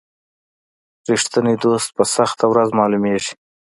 رښتینی دوست په سخته ورځ معلومیږي.